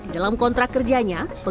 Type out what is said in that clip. dalam kontrak kerjanya